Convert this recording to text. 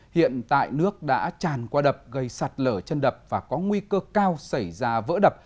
hiện tại nước đã tràn qua đập gây sạt lở chân đập và có nguy cơ cao xảy ra vỡ đập